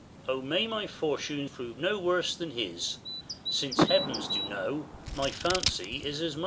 Cam. Oh, may my fortune prove no worse than his, Since heavens do know, my fancy is as much.